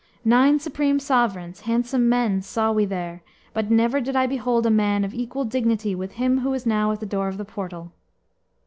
Nine supreme sovereigns, handsome men, saw we there, but never did I behold a man of equal dignity with him who is now at the door of the portal."